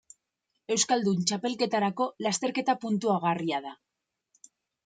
Euskaldun Txapelketarako lasterketa puntuagarria da.